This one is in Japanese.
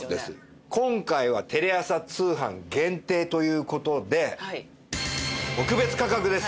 今回はテレ朝通販限定という事で特別価格です！